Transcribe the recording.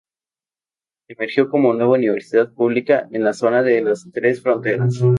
Emergió como nueva universidad pública en la zona de las Tres Fronteras.